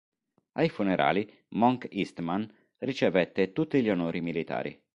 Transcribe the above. Ai funerali Monk Eastman ricevette tutti gli onori militari.